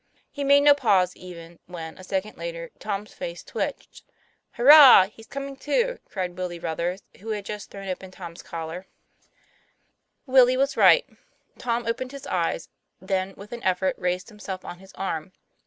He made no pause even, when, a second later, Tom's face twitched. "Hurrah! he's comin' to!" cried Willie Ruthers, who had just thrown open Tom's collar. 72 TOM PLAYFAIR. Willie was right. Tom opened his eyes; then with an effort raised himself on his arm.